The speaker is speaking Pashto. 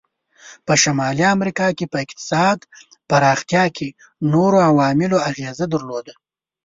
په شمالي امریکا په اقتصاد پراختیا کې نورو عواملو اغیزه درلوده.